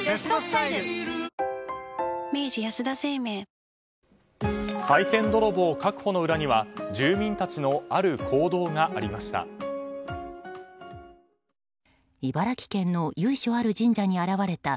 さい銭泥棒確保の裏には住民たちのある行動がありました。